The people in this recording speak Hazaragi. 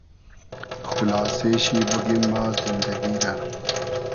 خولاسې شی بوگیم ما زیندئگی رۂ